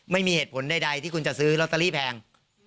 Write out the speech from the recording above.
ไม่มีเหตุผลใดที่คุณจะซื้อลอตเตอรี่แพง